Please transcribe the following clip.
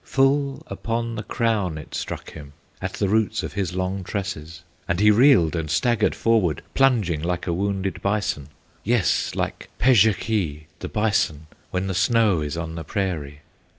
Full upon the crown it struck him, At the roots of his long tresses, And he reeled and staggered forward, Plunging like a wounded bison, Yes, like Pezhekee, the bison, When the snow is on the prairie.